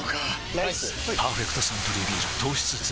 ライス「パーフェクトサントリービール糖質ゼロ」